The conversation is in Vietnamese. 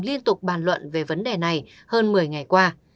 liên tục bàn luận về vấn đề này hơn một mươi ngày qua